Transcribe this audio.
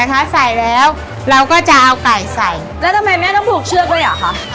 ใส่แล้วเราก็จะเอาไก่ใส่แล้วทำไมแม่ต้องผูกเชือกด้วยเหรอคะ